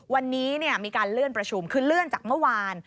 วันนี้มีการเลื่อนประชุมคือเลื่อนจากเมื่อวาน